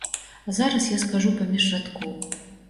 А зараз я скажу паміж радкоў.